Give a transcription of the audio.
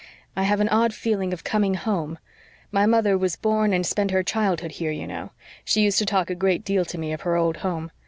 "I have an odd feeling of coming home. My mother was born and spent her childhood here, you know. She used to talk a great deal to me of her old home.